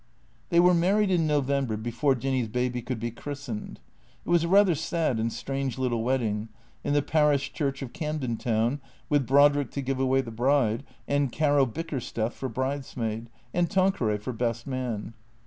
They were married in ISTovember before Jinny's baby could be christened. It was a rather sad and strange little wedding, in the parish church of Camden Town, with Brodrick to give away the bride, and Caro Bickersteth for bridesmaid, and Tan queray for best man.